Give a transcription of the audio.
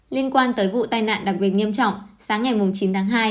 liên quan tới vụ tai nạn đặc biệt nghiêm trọng sáng ngày chín tháng hai